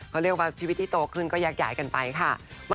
เขาเรียกว่าชีวิตที่โตขึ้นก็แยกย้ายกันไปค่ะ